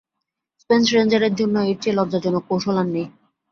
Space রেঞ্জারের জন্য এর চেয়ে লজ্জাজনক কৌশল আর নেই।